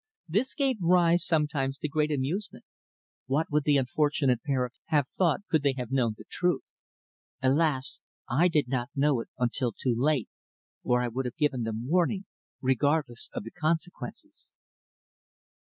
This gave rise sometimes to great amusement. What would the unfortunate pair have thought could they have known the truth? Alas! I did not know it until too late, or I would have given them warning, regardless of the consequences."